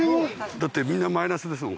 だってみんなマイナスですもん